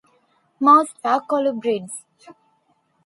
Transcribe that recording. Most are colubrids.